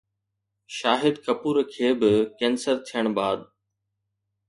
شاهد ڪپور کي به ڪينسر ٿيڻ بعد؟